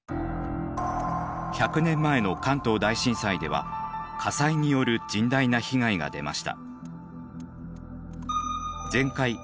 １００年前の関東大震災では火災による甚大な被害が出ました。